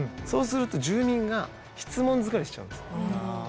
そうすると住民が質問疲れしちゃうんです。